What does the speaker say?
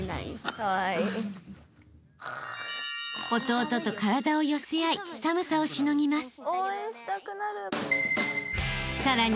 ［弟と体を寄せ合い寒さをしのぎます］